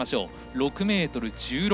６ｍ１６。